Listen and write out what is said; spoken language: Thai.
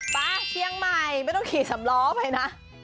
เชียงใหม่ไม่ต้องขี่สำล้อไปนะ